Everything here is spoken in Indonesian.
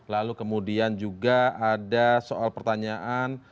lalu kemudian juga ada soal pertanyaan